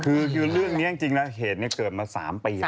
คือเรื่องนี้จริงนะเหตุเกิดมา๓ปี